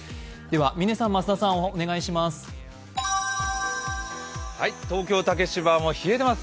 嶺さん増田さんお願いします。